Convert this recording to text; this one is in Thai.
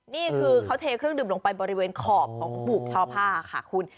นี่คือเขาเทเครื่องดื่มลงไปบริเวณขอบของผูกทอผ้าค่ะคุณ